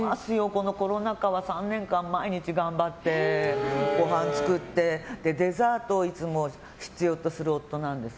このコロナ禍はこの３年間、毎日頑張ってごはん作って、デザートをいつも必要とする夫なんです。